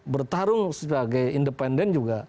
bertarung sebagai independen juga